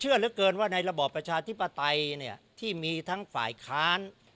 เหลือเกินว่าในระบอบประชาธิปไตยเนี่ยที่มีทั้งฝ่ายค้าน